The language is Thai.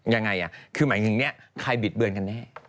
ยังไงคือหมายถึงเนี่ยใครบิดเบือนกันแน่